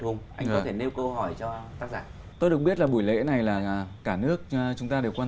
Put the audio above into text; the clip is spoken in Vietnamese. hùng anh có thể nêu câu hỏi cho tác giả tôi được biết là buổi lễ này là cả nước chúng ta đều quan